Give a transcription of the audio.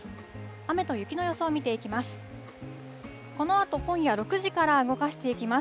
雨と雪の予想を見ていきます。